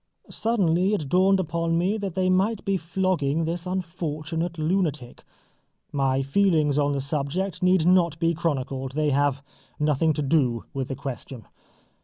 Suddenly it dawned upon me that they might be flogging this unfortunate lunatic. My feelings on the subject need not be chronicled; they have nothing to do with the question.